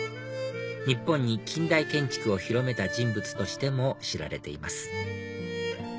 日本に近代建築を広めた人物としても知られています